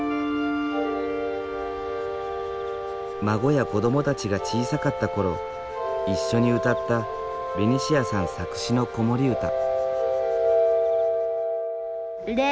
孫や子どもたちが小さかった頃一緒に歌ったベニシアさん作詞の子守歌。